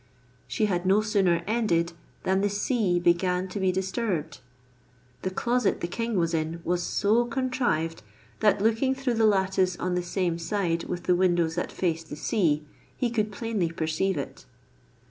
She had no sooner ended, than the sea began to be disturbed. The closet the king was in was so contrived, that looking through the lattice on the same side with the windows that faced the sea, he could plainly perceive it.